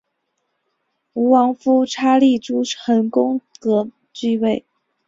吴王夫差立邾桓公革继位。